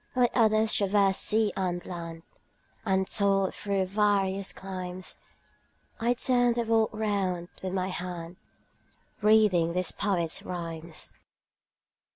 Let others traverse sea and land, And toil through various climes, 30 I turn the world round with my hand Reading these poets' rhymes.